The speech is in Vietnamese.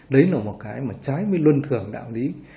đấy là một cái mà trái với luân thường đạo lý